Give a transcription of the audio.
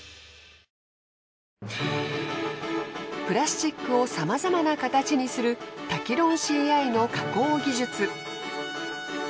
プラスチックをさまざまな形にするタキロンシーアイの加工技術。